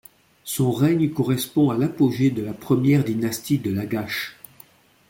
Son règne correspond à l'apogée de la première dynastie de Lagash.